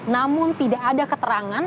namun tidak ada keterangan